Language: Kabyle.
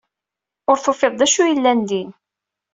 Ur tufiḍ d acu yellan din.